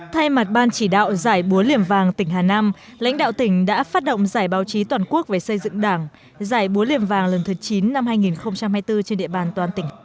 thay mặt ban chỉ đạo giải búa liềm vàng tỉnh hà nam lãnh đạo tỉnh đã phát động giải báo chí toàn quốc về xây dựng đảng giải búa liềm vàng lần thứ chín năm hai nghìn hai mươi bốn trên địa bàn toàn tỉnh